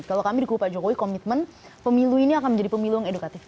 kalau kami dukung pak jokowi komitmen pemilu ini akan menjadi pemilu yang edukatif